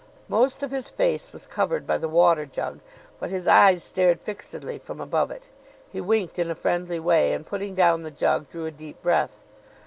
Most of his face was covered by the water jug, but his eyes stared fixedly from above it. He winked in a friendly way, and, putting down the jug, drew a deep breath.